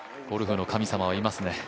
ゴルフの神様はいますね。